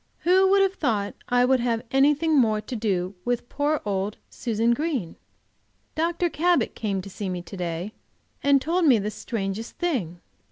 WHO would have thought I would have anything more to do with poor old Susan Green? Dr. Cabot came to see me to day, and told me the strangest thing!